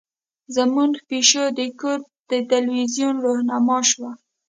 زمونږ پیشو د کور د تلویزیون رهنما شوه.